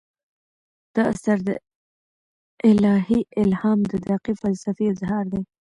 دا اثر د الهي الهام د تعقیب فلسفي اظهار دی.